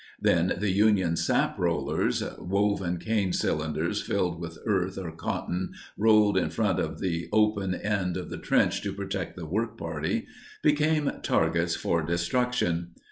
Then the Union sap rollers (woven cane cylinders filled with earth or cotton rolled in front of the open end of the trench to protect the work party) became targets for destruction.